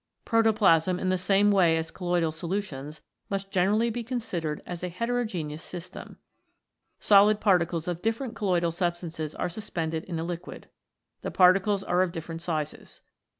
Protoplasm, in the same way as colloidal solutions, must generally be considered as a heterogeneous system. Solid particles of different colloidal substances are suspended in a liquid. The particles are of different sizes.